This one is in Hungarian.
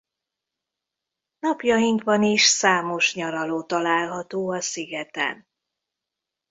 Napjainkban is számos nyaraló található a szigeten.